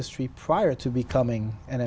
thứ dễ dàng